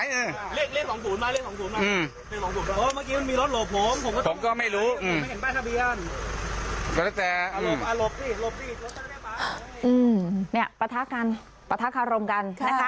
นี่ประทาการประทาการรมการนะคะ